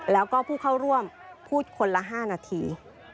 แล้วก็ผู้เข้าร่วมพูดคนละ๕นาที